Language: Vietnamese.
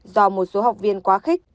do một số học viên quá khích